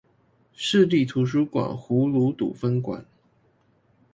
市立圖書館葫蘆堵分館